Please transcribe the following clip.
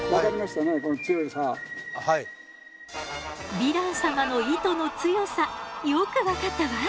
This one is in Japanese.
ヴィラン様の糸の強さよく分かったわ。